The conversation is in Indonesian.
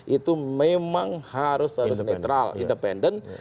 itu memang harus harus netral independen